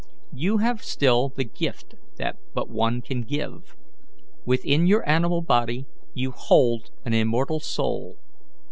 You have still the gift that but one can give. Within your animal body you hold an immortal soul.